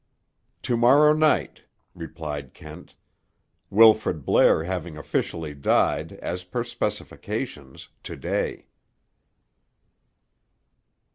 "To morrow night," replied Kent, "Wilfrid Blair having officially died, as per specifications, to day."